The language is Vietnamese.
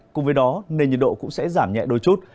cùng với đó nền nhiệt độ cũng sẽ giảm nhẹ đôi chút